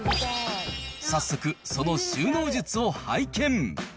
早速、その収納術を拝見。